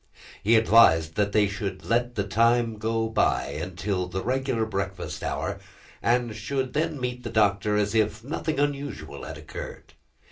He advised that they should let the time go by until the regular breakfast hour, and should then meet the Doctor as if nothing unusual had occurred.